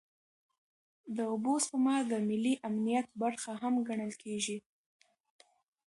د اوبو سپما د ملي امنیت برخه هم ګڼل کېږي.